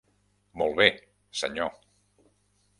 Molt bé, Sr.